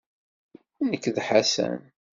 Nekk d Ḥasan.